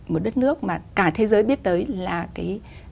một đất nước mà cả thế giới biết tới là cái